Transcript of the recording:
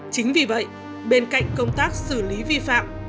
chính vì vậy bên cạnh công tác xử lý vi phạm